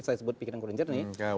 saya sebut pikiran kurang jernih